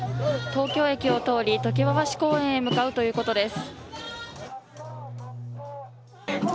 東京駅を通り、常盤橋公園に向かうということです。